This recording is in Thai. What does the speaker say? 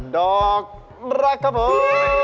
ดอกรักครับผม